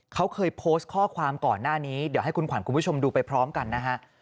เขาเคยโพสต์ข้อความก่อนหน้านี้เดี๋ยวให้คุณขวัญคุณผู้ชมดูไปพร้อมกันนะฮะ